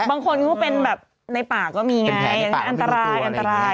บางคนก็เป็นแบบในปากก็มีไงอันตราย